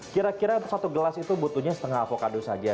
kira kira satu gelas itu butuhnya setengah avocado saja